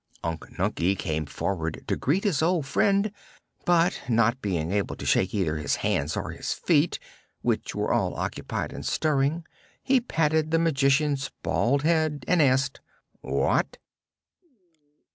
Unc Nunkie came forward to greet his old friend, but not being able to shake either his hands or his feet, which were all occupied in stirring, he patted the Magician's bald head and asked: "What?"